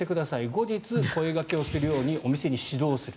後日、声掛けをするようにお店に指導する。